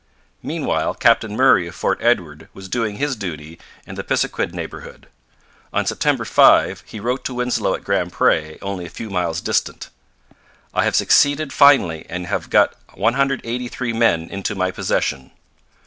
Meanwhile Captain Murray of Fort Edward was doing his duty in the Pisiquid neighbourhood. On September 5 he wrote to Winslow at Grand Pre, only a few miles distant: 'I have succeeded finely and have got 183 men into my possession.'